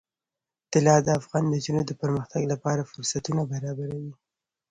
طلا د افغان نجونو د پرمختګ لپاره فرصتونه برابروي.